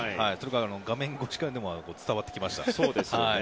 画面越しからでも伝わってきました。